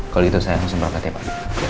kalo gitu saya harus merawatnya pak